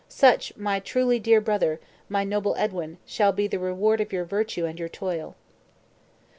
Such, my truly dear brother, my noble Edwin, shall be the reward of your virtue and your toil."